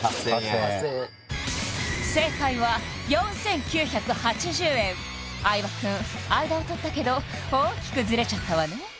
８０００円正解は４９８０円相葉くん間をとったけど大きくズレちゃったわね